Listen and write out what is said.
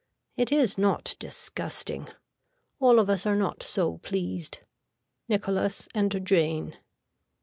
It is not disgusting. All of us are not so pleased. (Nicholas and Jane.)